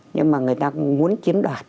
nhưng mà người ta muốn chiếm đoạt